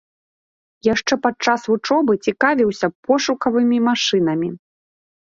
Яшчэ падчас вучобы цікавіўся пошукавымі машынамі.